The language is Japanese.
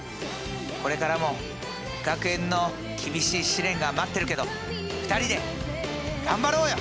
これからも学園の厳しい試練が待ってるけど２人で頑張ろうよ！